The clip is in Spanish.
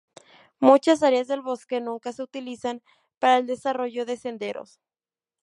Muchas áreas del bosque nunca se utilizarán para el desarrollo de senderos.